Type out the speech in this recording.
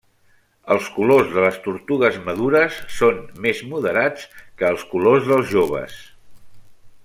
Els colors de les tortugues madures són més moderats que els colors dels joves.